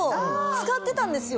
使ってたんですよ